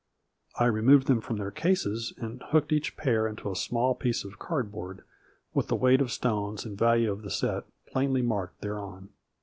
I removed them from their cases and hooked each pair into a small piece of card board, with the weight of stones and value of the set plainly marked thereon.